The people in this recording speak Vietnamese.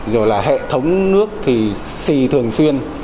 rồi là hệ thống nước thì xì thường xuyên